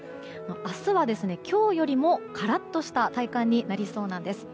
明日は今日よりもカラッとした体感になりそうです。